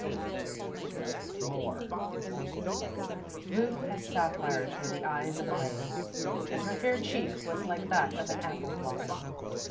VIII More _Blue as sapphires were the eyes of Elaine, and her fair cheek was like that of an apple blossom.